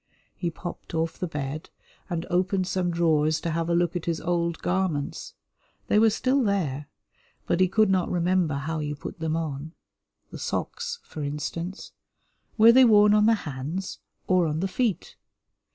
He popped off the bed and opened some drawers to have a look at his old garments. They were still there, but he could not remember how you put them on. The socks, for instance, were they worn on the hands or on the feet?